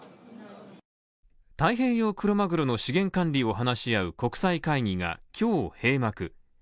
太平洋クロマグロの資源管理を話し合う国際会議が今日閉幕。